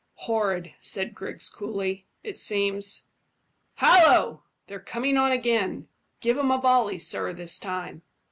"Horrid," said Griggs coolly. "It seems Hallo! They're coming on again. Give 'em a volley, sir, this time."